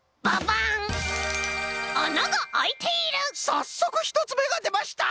さっそくひとつめがでました！